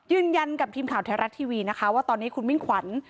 ยืนยันกับทีมข่าวไทยรัฐทีวีนะคะว่าตอนนี้คุณมิ่งขวัญ